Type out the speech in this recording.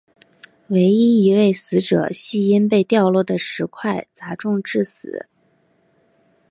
唯一一位死者系因被掉落的石块砸中致死。